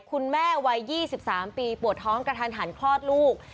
คุณแม่วัย๒๓ปวดท้องกระทันคลอดลูก